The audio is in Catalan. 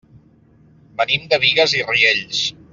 Venim de Bigues i Riells.